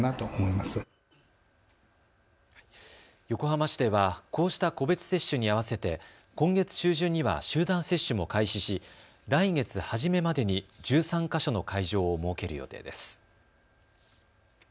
横浜市では、こうした個別接種に合わせて今月中旬には集団接種も開始し来月初めまでに１３か所の会場を設ける予定です。